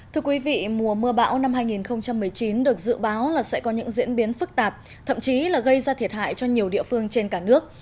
thưa quý vị mùa mưa bão năm hai nghìn một mươi chín được dự báo là sẽ có những diễn biến phức tạp thậm chí là gây ra thiệt hại cho nhiều địa phương trên cả nước